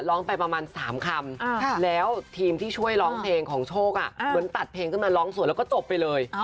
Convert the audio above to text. ร้องไปประมาณ๓คำแล้วทีมที่ช่วยร้องเพลงของโชคเหมือนตัดเพลงขึ้นมาร้องสวยแล้วก็จบไปเลย